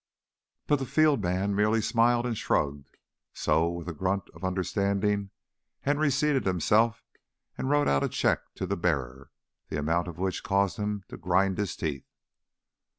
But the field man merely smiled and shrugged, so, with a grunt of understanding, Henry seated himself and wrote out a check to bearer, the amount of which caused him to grind his teeth.